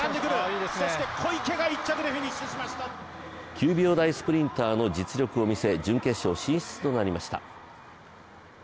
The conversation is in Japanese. ９秒台スプリンターの実力を見せ準決勝進出となりました。